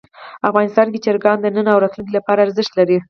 افغانستان کې چرګان د نن او راتلونکي لپاره ارزښت لري.